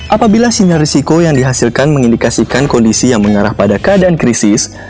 apabila sinyal risiko yang dihasilkan mengindikasikan kondisi yang mengarah pada keadaan krisis